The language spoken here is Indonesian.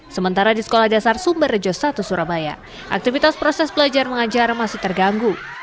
sementara di sekolah dasar sumerojo satu surabaya aktivitas proses pelajar mengajar masih terganggu